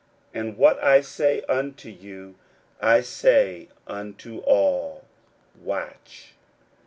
41:013:037 And what I say unto you I say unto all, Watch.